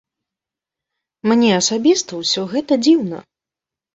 Мне асабіста ўсё гэта дзіўна.